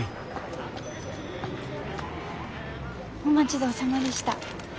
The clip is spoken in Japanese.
お待ち遠さまでした。